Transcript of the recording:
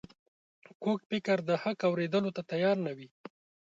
کوږ فکر د حق اورېدو ته تیار نه وي